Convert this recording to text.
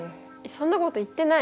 そんなこと言ってない！